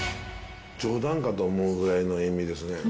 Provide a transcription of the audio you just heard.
冗談かと思うぐらいの塩味ですね。